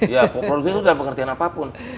ya produk itu dalam pengertian apapun